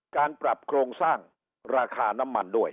การปรับโครงสร้างราคาน้ำมันด้วย